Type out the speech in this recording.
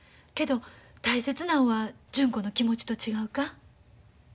けど大切なんは純子の気持ちと違うか？